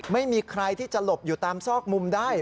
ไม่มีใครที่จะหลบอยู่ตามซอกมุมได้